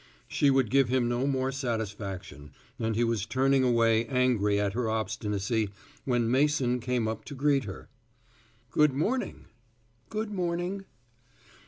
She would give him no more satisfaction, and he was turning away angry at her obstinacy, when Mason came up to greet her. "Good morning." "Good morning."